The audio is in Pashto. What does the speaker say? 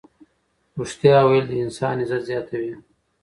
ریښتیا ویل د انسان عزت زیاتوي.